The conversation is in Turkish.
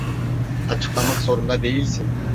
Açıklamak zorunda değilsin.